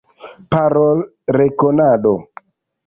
Parolrekonado.